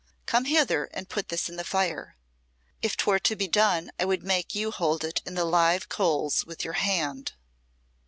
Come hither and put this in the fire. If 'twere to be done I would make you hold it in the live coals with your hand."